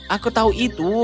aku tahu itu